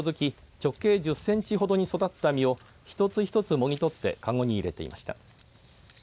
直径１０センチほどに育った実をひとつひとつもぎ取ってかごに入れていました。